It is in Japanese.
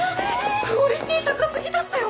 クオリティー高過ぎだったよ！